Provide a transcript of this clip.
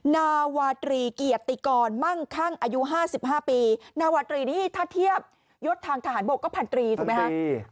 นาวาตรีเกียรติกรมั่งคั่งอายุ๕๕ปีนาวาตรีนี่ถ้าเทียบยศทางทหารบกก็พันตรีถูกไหมฮะ